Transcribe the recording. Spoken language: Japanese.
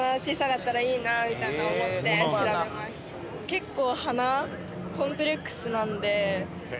結構。